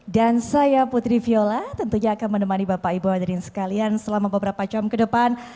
dan saya putri viola tentunya akan menemani bapak ibu wadarin sekalian selama beberapa jam ke depan